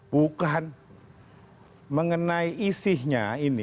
bukan mengenai isinya ini